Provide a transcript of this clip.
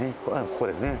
ここですね